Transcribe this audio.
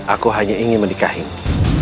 aku hanya ingin menikahimu